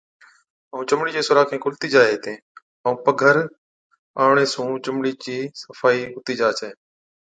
ائُون چمڙِي چين سوراخين کُلتِي جائي هِتين، ائُون پگھر آوَڻي سُون چمڙِي چِي صفائِي هُتِي جا ڇَي۔